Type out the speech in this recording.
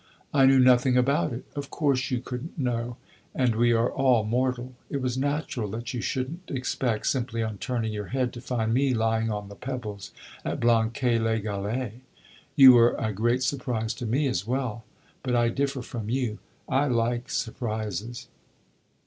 "I knew nothing about it." "Of course you could n't know, and we are all mortal. It was natural that you should n't expect simply on turning your head to find me lying on the pebbles at Blanquais les Galets. You were a great surprise to me, as well; but I differ from you I like surprises."